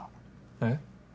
えっ？